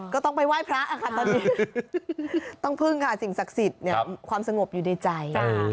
ก็ต้องไปไหว้พระค่ะตอนนี้ต้องพึ่งค่ะสิ่งศักดิ์สิทธิ์ความสงบอยู่ในใจ